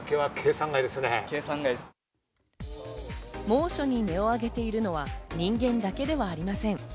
猛暑に音をあげているのは、人間だけではありません。